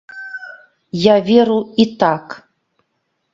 Я веру і так.